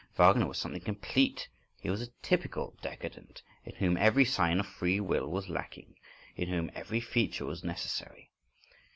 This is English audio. Wagner was something complete, he was a typical décadent, in whom every sign of "free will" was lacking, in whom every feature was necessary.